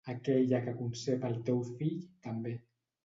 Aquella que concep el teu fill, també.